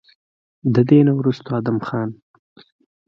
د دې نه وروستو ادم خان